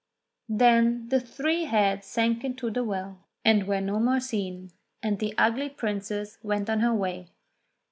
Then the three heads sank into the well and were no 230 ENGLISH FAIRY TALES more seen, and the ugly princess went on her way.